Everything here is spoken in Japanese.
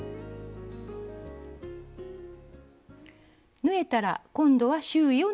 縫えたら今度は周囲を縫います。